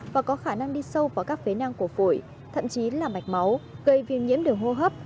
và có khả năng đi sâu vào các phế năng của phổi thậm chí là mạch máu gây viêm nhiễm đường hô hấp